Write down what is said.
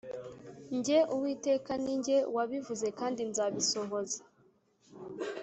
Jye Uwiteka ni jye wabivuze kandi nzabisohoza